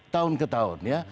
tahun ke tahun ya